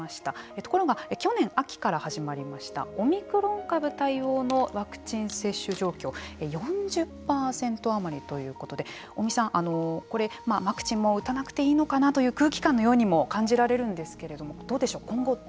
ところが去年秋から始まりましたオミクロン株対応のワクチン接種状況４０％余りということで尾身さん、これワクチンも打たなくていいのかなという空気感のようにも感じられるんですけどどうでしょう